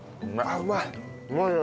うまいね。